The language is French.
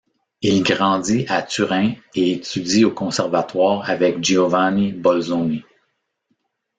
Il grandit à Turin et étudie au conservatoire avec Giovanni Bolzoni.